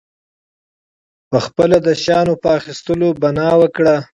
پخپله د شیانو په اخیستلو بنا وکړه.